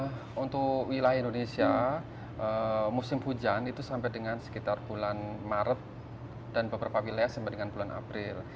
nah untuk wilayah indonesia musim hujan itu sampai dengan sekitar bulan maret dan beberapa wilayah sampai dengan bulan april